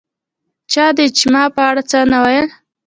چا د اجماع په اړه څه نه ویل